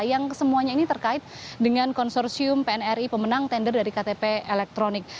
yang semuanya ini terkait dengan konsorsium pnri pemenang tender dari ktp elektronik